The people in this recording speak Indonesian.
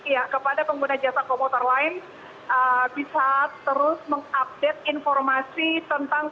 ya kepada pengguna jasa komuter lain bisa terus mengupdate informasi tentang